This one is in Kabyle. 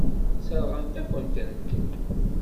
Sseṛɣent-akent-tent.